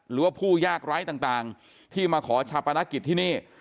หรือว่าผู้ยากไร้ต่างที่มาขอชาปนกิจที่นี่